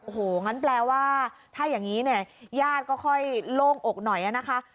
โอ้โหงั้นแปลว่าถ้าอย่างนี้เนี่ยญาติก็ค่อยโล่งอกหน่อยนะคะ